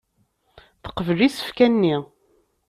Teqbel isefka-nni.